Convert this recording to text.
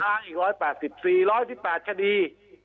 ตอนนี้ยังค้างอีก๑๘๐สิบร้อยสิบแปดคดี